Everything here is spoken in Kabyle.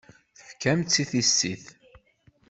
Tefkam-tt i tissit.